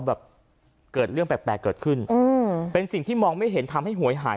แบบเกิดเรื่องแปลกเกิดขึ้นอืมเป็นสิ่งที่มองไม่เห็นทำให้หวยหาย